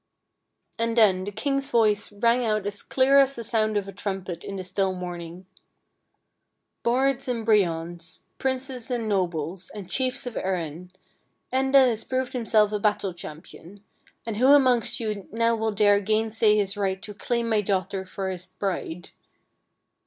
And then the king's voice rang out clear as the sound of a trumpet in the still morning :" Bards and brehons, princes and nobles, and chiefs of Erin, Enda has proved himself a battle champion, and who amongst you now will dare gainsay his right to claim my daughter for his bride?